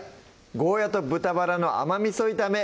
「ゴーヤと豚バラの甘味炒め」